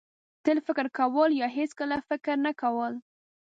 تل فکر کول یا هېڅکله فکر نه کول.